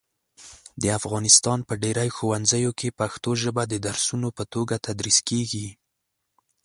د افغانستان په ډېری ښوونځیو کې پښتو ژبه د درسونو په توګه تدریس کېږي.